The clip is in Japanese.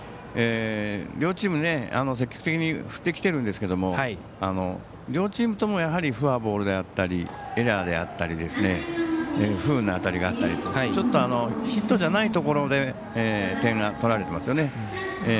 両チーム積極的に振ってきているんですけども両チームともフォアボールであったりエラーであったり不運な当たりがあったりちょっとヒットじゃないところで点が取られてますよね。